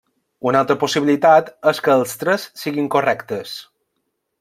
Una altra possibilitat és que els tres siguin correctes.